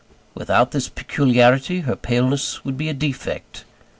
Without this peculiarity her paleness would be a defect.